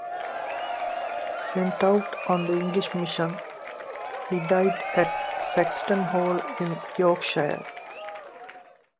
Sent out on the English mission, he died at Saxton Hall in Yorkshire.